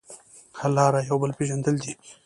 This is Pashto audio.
حل لاره یو بل پېژندل دي.